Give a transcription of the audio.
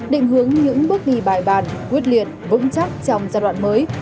định hướng những bước đi bài bàn quyết liệt vững chắc trong giai đoạn mới